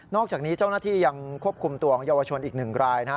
อกจากนี้เจ้าหน้าที่ยังควบคุมตัวของเยาวชนอีกหนึ่งรายนะฮะ